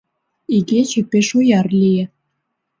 Игече пеш ояр лие.